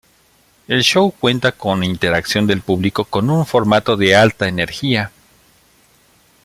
El show cuenta con interacción del público con un formato de alta energía.